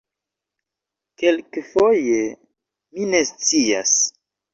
Kelkfoje... mi ne scias...